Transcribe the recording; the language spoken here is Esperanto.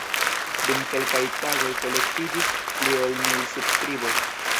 Dum kelkaj tagoj kolektiĝis pli ol mil subskriboj.